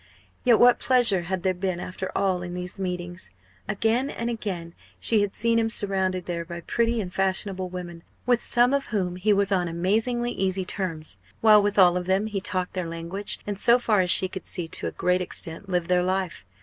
Yet what pleasure had there been after all in these meetings! Again and again she had seen him surrounded there by pretty and fashionable women, with some of whom he was on amazingly easy terms, while with all of them he talked their language, and so far as she could see to a great extent lived their life.